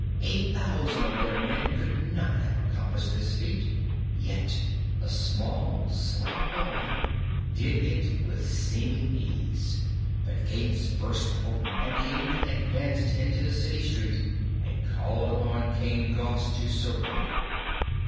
A thousand of their men could not have accomplished this feat, yet the small, slight boy did it with seeming ease. The gates burst open, and Inga advanced into the city street and called upon King Gos to surrender.